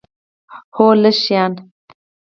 هو، لږ شیان